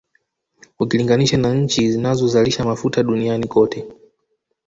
Ukilinganisha na nchi zinazozalisha Mafuta duniani kote